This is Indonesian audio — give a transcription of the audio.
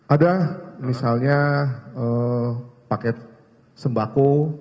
ada misalnya paket sembako